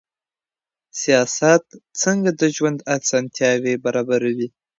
سياست څنګه د ژوند اسانتياوې برابروي؟